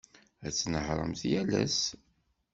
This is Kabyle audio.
Ad tnehhṛemt yal ass.